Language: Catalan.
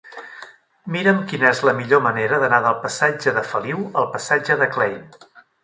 Mira'm quina és la millor manera d'anar del passatge de Feliu al passatge de Klein.